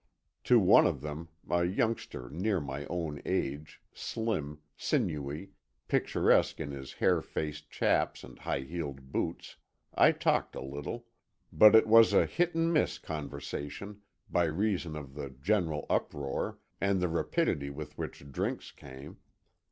To one of them, a youngster near my own age, slim, sinewy, picturesque in his hair faced chaps and high heeled boots, I talked a little, but it was a hit and miss conversation, by reason of the general uproar, and the rapidity with which drinks came.